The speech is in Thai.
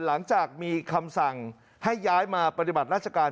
หลังจากมีคำสั่งให้ย้ายมาปฏิบัติราชการ